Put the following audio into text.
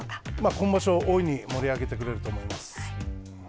今場所、大いに盛り上げてくれると思います。